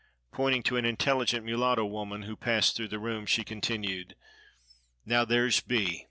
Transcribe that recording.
Pointing to an intelligent mulatto woman who passed through the room, she continued, "Now, there's B——.